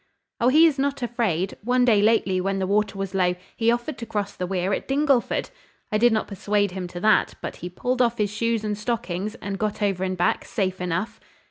"Oh, he is not afraid. One day lately, when the water was low, he offered to cross the weir at Dingleford. I did not persuade him to that; but he pulled off his shoes and stockings, and got over and back, safe enough."